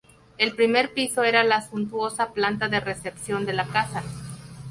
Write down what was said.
El primer piso era la suntuosa planta de recepción de la casa.